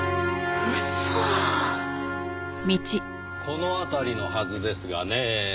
この辺りのはずですがねぇ。